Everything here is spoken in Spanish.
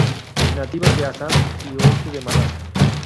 Nativas de Assam y oeste de Malasia.